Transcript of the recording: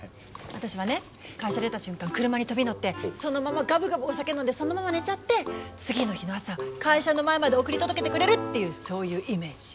私はね会社出た瞬間車に飛び乗ってそのままガブガブお酒飲んでそのまま寝ちゃって次の日の朝会社の前まで送り届けてくれるっていうそういうイメージ。